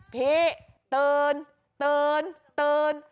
พี่ตื่นตื่นตื่น